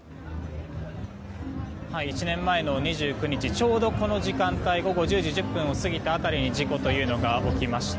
１年前の２９日ちょうどこの時間帯午後１０時１０分を過ぎた辺りに事故というのが起きました。